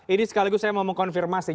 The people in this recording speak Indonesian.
ini sekaligus saya mau mengkonfirmasi